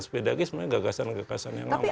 sepedagi sebenarnya gagasan gagasan yang lama